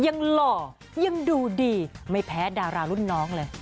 หล่อยังดูดีไม่แพ้ดารารุ่นน้องเลย